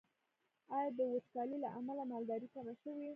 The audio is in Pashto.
آیا د وچکالۍ له امله مالداري کمه شوې؟